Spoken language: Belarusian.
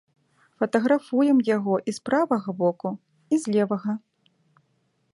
Фатаграфуем яго і з правага боку, і з левага.